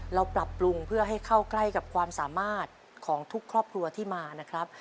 เราปรับปรุงเพื่อให้เข้าใกล้กับความสามารถของทุกครอบครัวที่มานะครับ